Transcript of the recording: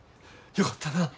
よかったなぁ。